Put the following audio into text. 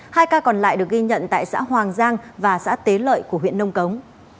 hai ca còn lại được ghi nhận tại xã hoàng giang và xã tế lợi của huyện nông cống